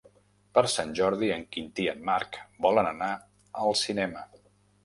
Per Sant Jordi en Quintí i en Marc volen anar al cinema.